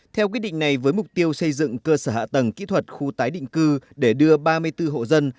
theo quyết định này với mục tiêu xây dựng cơ sở hạ tầng kỹ thuật khu tái định cư để đưa ba mươi bốn hộ dân